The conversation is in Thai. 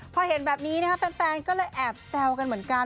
พอเห็นแบบนี้แฟนก็เลยแอบแซวกันเหมือนกัน